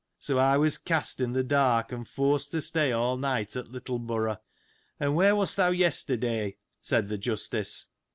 So, I was cast in the dark, and forced to stay all night at Lit tlgborough. And where wast thou yesterday ? said th' Justice.